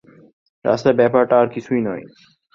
রাস্তার ব্যাপারটা আর কিছুই নয়।